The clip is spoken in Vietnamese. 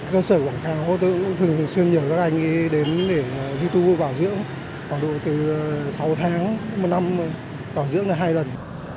cơ sở quảng cáo tôi cũng thường xuyên nhờ các anh ấy đến để duy thu bảo dưỡng khoảng độ sáu tháng một năm bảo dưỡng là hai lần